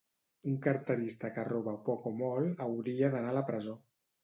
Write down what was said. Un carterista que roba poc o molt hauria d'anar a la presó